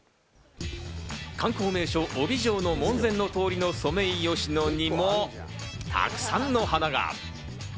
観光名・飫肥城の門前の通りのソメイヨシノにもたくさんの花が。